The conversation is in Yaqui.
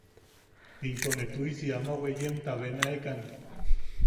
Into ne tuʼisi ama weeyenta benaikan.